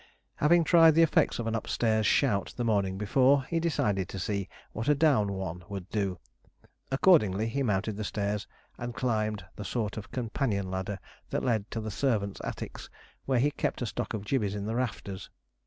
Having tried the effects of an upstairs shout the morning before, he decided to see what a down one would do; accordingly, he mounted the stairs and climbed the sort of companion ladder that led to the servants' attics, where he kept a stock of gibbeys in the rafters.